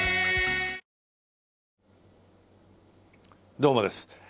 どうもです。